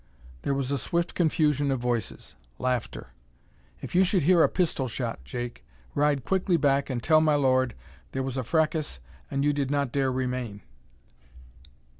There was a swift confusion of voices; laughter. "If you should hear a pistol shot, Jake, ride quickly back and tell My Lord there was a fracas and you did not dare remain."